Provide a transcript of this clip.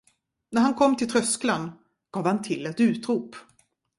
När han kom till tröskeln, gav han till ett utrop.